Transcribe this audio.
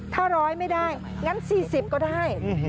ถ้า๑๐๐ไม่ได้งั้น๔๐ก็ได้